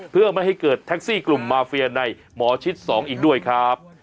เพื่อไม่ให้เกิดแท็กซี่กลุ่มมาเฟียในหมอชิด๒อีกด้วยครับ